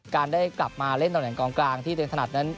การได้กลับมาเล่นต่อแห่งกลางที่เตรียมถนัดนั้น